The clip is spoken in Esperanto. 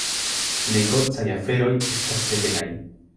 Negocaj aferoj estas severaj.